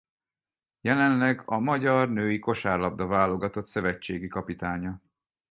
Jelenleg a magyar női kosárlabda-válogatott szövetségi kapitánya.